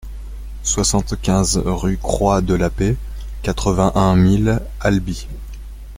soixante-quinze rue Croix de la Paix, quatre-vingt-un mille Albi